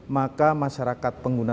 maka masyarakat pengguna